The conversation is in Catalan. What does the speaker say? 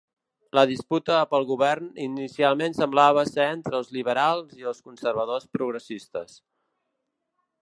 La disputa pel govern inicialment semblava ser entre els liberals i els conservadors progressistes.